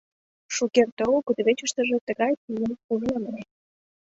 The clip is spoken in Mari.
Шукерте огыл кудывечыштыже тыгай пийым ужынам ыле.